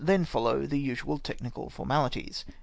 (Then follow the usual technical formalities.)